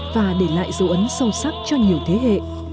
và để lại dấu ấn sâu sắc cho nhiều thế hệ